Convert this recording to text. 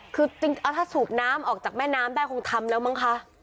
คือจริงแล้วถ้าสูบน้ำออกจากแม่น้ำได้คงทำแล้วมั้งคะ